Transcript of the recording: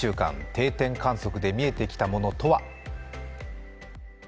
定点観測で見えてきたものとは？